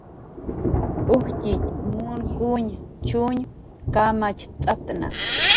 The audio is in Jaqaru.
Ujtxitx nunkuñn chuñ kamacht'atna